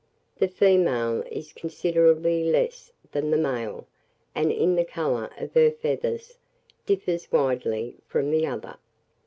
The female is considerably less than the male, and, in the colour of her feathers, differs widely from the other.